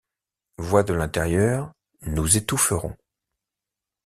Voix de l’intérieur: Nous étoufferons.